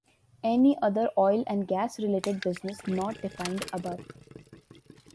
Any other oil and gas related business not defined above.